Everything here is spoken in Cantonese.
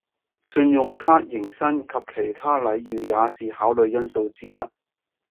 信用卡迎新及其他禮遇也是考慮因素之一